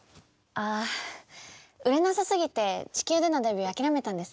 ああ売れなさすぎて地球でのデビュー諦めたんですね。